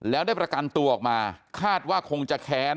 แล้วได้ประกันตัวออกมาคาดว่าคงจะแค้น